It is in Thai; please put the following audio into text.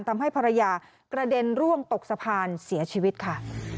ทำให้ภรรยากระเด็นร่วงตกสะพานเสียชีวิตค่ะ